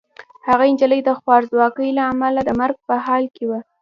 هغه نجلۍ د خوارځواکۍ له امله د مرګ په حال کې وه.